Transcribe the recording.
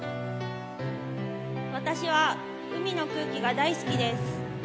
私は海の空気が大好きです。